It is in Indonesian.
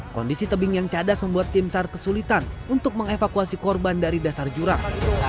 kondisi tebing yang cadas membuat tim sar kesulitan untuk mengevakuasi korban dari dasar jurang